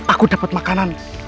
aku dapet makanan